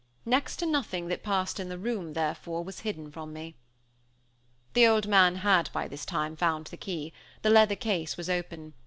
Next to nothing that passed in the room, therefore, was hidden from me. The old man had, by this time, found the key. The leather case was open.